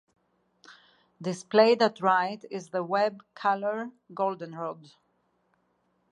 Displayed at right is the web color goldenrod.